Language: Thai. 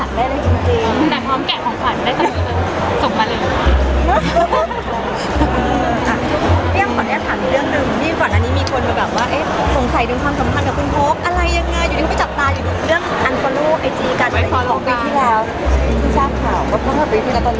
ขอแอบถามเรื่องดึง